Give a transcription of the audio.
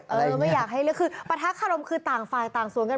ไม่อยากให้เลือกคือปะทะคารมคือต่างฝ่ายต่างสวนกัน